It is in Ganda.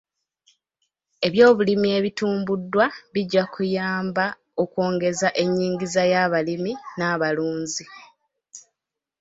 Ebyobulimi ebitumbuddwa bijja kuyamba okwongeza enyingiza y'abalimi n'abalunzi.